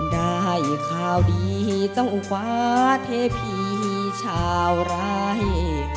ได้ข่าวดีเจ้าฟ้าเทพีชาวไร